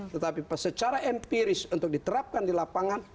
tetapi secara empiris untuk diterapkan di lapangan